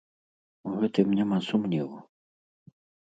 У гэтым няма сумневу.